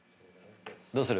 どうする？